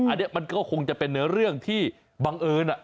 อันนี้มันก็คงจะเป็นเรื่องที่บังเอิญ